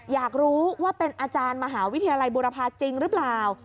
อยากรู้ว่าเป็นอาจารย์มหาวิทยาลัยบุรพาจริงหรือเปล่า